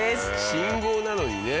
信号なのにね。